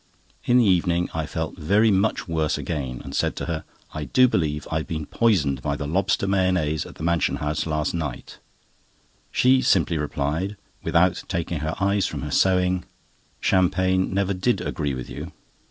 In the evening I felt very much worse again and said to her: "I do believe I've been poisoned by the lobster mayonnaise at the Mansion House last night;" she simply replied, without taking her eyes from her sewing: "Champagne never did agree with you."